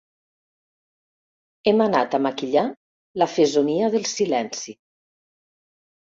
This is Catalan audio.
Hem anat a maquillar la fesomia del silenci.